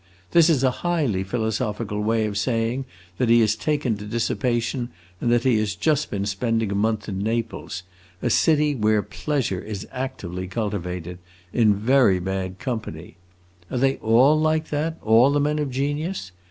This is a highly philosophical way of saying that he has taken to dissipation, and that he has just been spending a month at Naples a city where 'pleasure' is actively cultivated in very bad company. Are they all like that, all the men of genius?